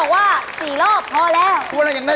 ไม่เคยยอมแพ้เลย